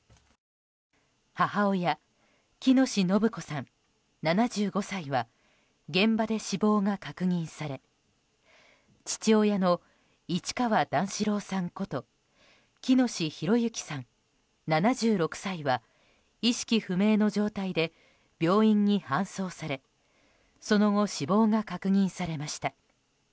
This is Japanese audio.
母親・喜熨斗延子さん、７５歳は現場で死亡が確認され父親の市川段四郎さんこと喜熨斗弘之さん、７６歳は意識不明の状態で病院に搬送されその後、死亡が確認されました。